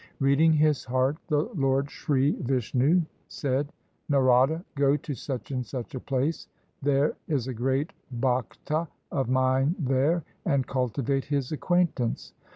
Reading his heart the Lord Sri Vishnu said, " Narada, go to such and such a place, there is a great Bhakta of mine there, and cultivate his acquaintance."